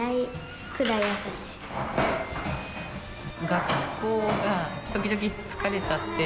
学校がときどき疲れちゃって。